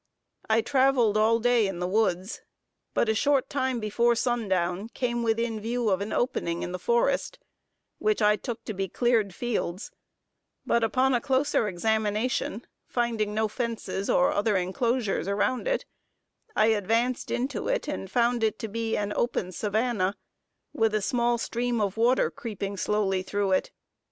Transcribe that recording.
I traveled all day in the woods; but a short time before sundown, came within view of an opening in the forest, which I took to be cleared fields, but upon a closer examination, finding no fences or other enclosures around it, I advanced into it and found it to be an open savannah, with a small stream of water creeping slowly through it.